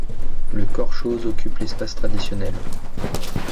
Le corps-chose occupe l'espace traditionnel.